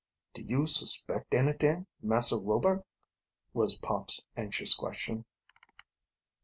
"Do you suspect anyt'ing, Massah Rober?" was Pop's anxious question.